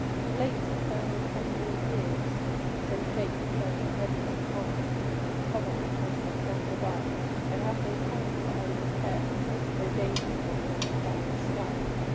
Of late, eternal Condor years So shake the very Heaven on high With tumult as they thunder by, I have no time for idle cares Though gazing on the unquiet sky.